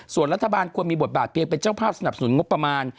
ส่วนรัฐบาลควรมีบทบาทเพียงเป็นเจ้าภาพสนับสนุนงบประมาณ